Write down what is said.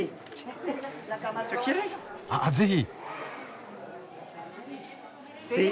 ああぜひ！